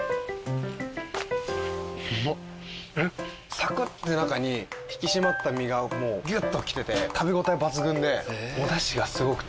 サクッて中に引き締まった身がもうギュッときてて食べ応え抜群でおだしがすごくて。